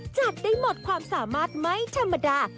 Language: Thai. จัดได้หมดความสามารถไม่ธรรมดา